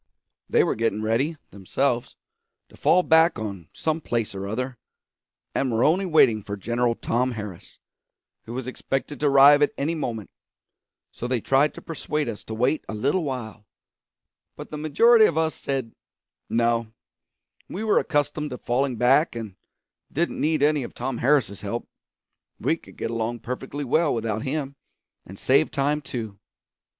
They were getting ready, themselves, to fall back on some place or other, and were only waiting for General Tom Harris, who was expected to arrive at any moment; so they tried to persuade us to wait a little while, but the majority of us said no, we were accustomed to falling back, and didn't need any of Tom Harris's help; we could get along perfectly well without him and save time too.